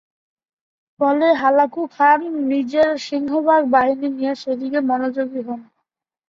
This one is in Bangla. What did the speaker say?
ফলে হালাকু খান নিজের সিংহভাগ বাহিনী নিয়ে সেদিকে মনোযোগী হন।